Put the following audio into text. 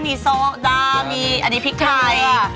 พี่อาจมีโซ๊กดานนี้พริกไทย